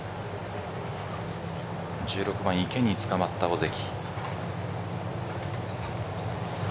１６番、池につかまった尾関。